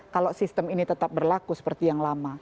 kalau sistem ini tetap berlaku seperti yang lama